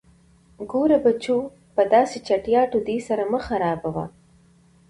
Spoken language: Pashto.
_ګوره بچو، په داسې چټياټو دې سر مه خرابوه.